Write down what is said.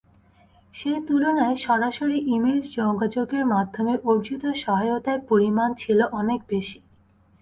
সেই তুলনায় সরাসরি ই-মেইল যোগাযোগের মাধ্যমে অর্জিত সহায়তার পরিমাণ ছিল অনেক বেশি।